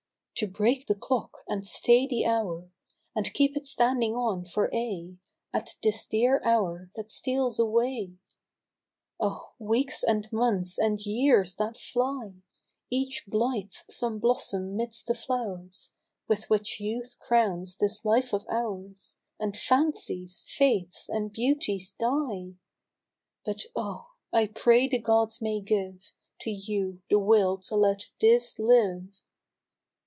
To break the clock and stay the hour. And keep it standing on for aye At this dear hour that steals away ! Oh 1 weeks and months and years that fly ! Each blights some blossom midst the flow'rs With which youth crowns this life of ours, And fancies, faiths, and beauties die ; But oh ! I pray the gods may give To you the will to let this live